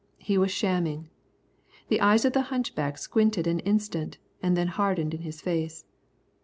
He was shamming. The eyes of the hunchback squinted an instant, and then hardened in his face.